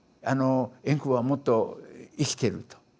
円空はもっと生きてると。